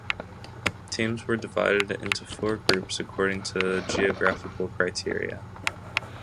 Teams were divided into four groups according to geographical criteria.